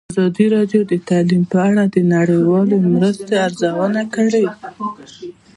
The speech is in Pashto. ازادي راډیو د تعلیم په اړه د نړیوالو مرستو ارزونه کړې.